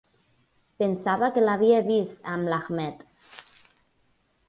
Pensava que l'havia vist amb l'Ahmed.